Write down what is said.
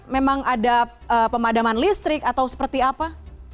memang ada pemadaman listrik atau seperti apa